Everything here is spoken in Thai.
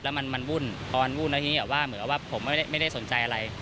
แล้วมันวุ่นแล้วทีนี้เหมือนว่าผมไม่ได้สนใจอะไร